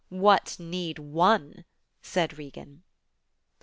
"What need one?" said Regan.